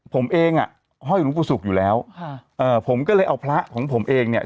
ผมเองอ่ะห้อยหลวงปู่ศุกร์อยู่แล้วค่ะเอ่อผมก็เลยเอาพระของผมเองเนี่ย